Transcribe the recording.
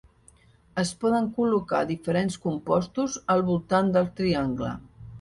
Es poden col·locar diferents compostos al voltant del triangle.